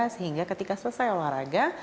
sehingga ketika selesai olahraga